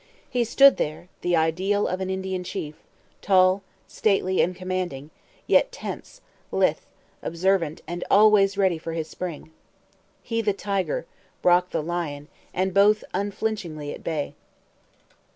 He stood there the ideal of an Indian chief: tall, stately, and commanding; yet tense, lithe, observant, and always ready for his spring. He the tiger, Brock the lion; and both unflinchingly at bay.